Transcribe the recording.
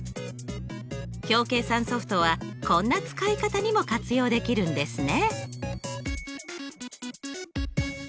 表計算ソフトはこんな使い方にも活用できるんですね。